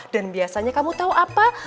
dan biasanya kamu tau apa